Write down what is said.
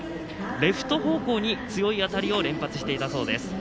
レフト方向に強い当たりを連発していたそうです。